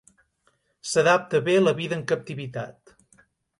S'adapta bé a la vida en captivitat.